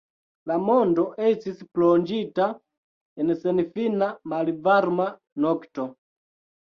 La mondo estis plonĝita en senfina malvarma nokto.